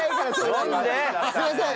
すいません！